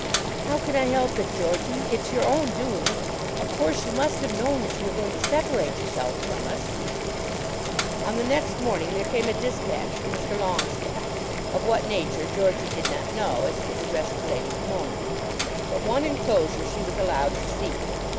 "How can I help it, Georgey? It's your own doing. Of course you must have known that you were going to separate yourself from us." On the next morning there came a dispatch from Mr. Longestaffe, of what nature Georgey did not know as it was addressed to Lady Pomona. But one enclosure she was allowed to see.